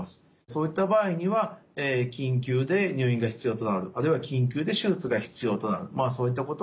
そういった場合には緊急で入院が必要となるあるいは緊急で手術が必要となるそういったことがありえます。